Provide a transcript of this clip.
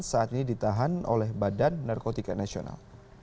saat ini ditahan oleh badan narkotika nasional